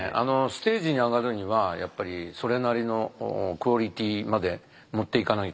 ステージに上がるにはやっぱりそれなりのクオリティーまで持っていかないと。